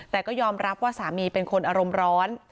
แต่ก็ยอมรับว่าสามีเป็นคนอารมณ์ร้อน